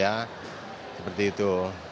ya seperti itu